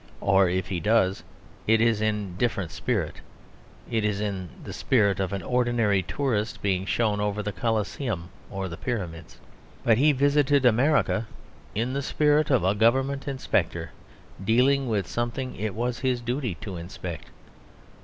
Or if he does, it is in a different spirit; it is in the spirit of an ordinary tourist being shown over the Coliseum or the Pyramids. But he visited America in the spirit of a Government inspector dealing with something it was his duty to inspect.